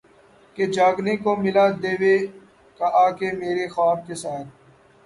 کہ جاگنے کو ملا دیوے آکے میرے خواب کیساتھ